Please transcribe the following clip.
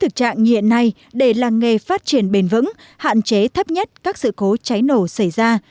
thực trạng như hiện nay để làng nghề phát triển bền vững hạn chế thấp nhất các sự cố cháy nổ xảy ra